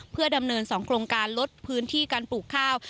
เพื่อดำเนิน๒โครงการลดพื้นที่การปลูกข้าว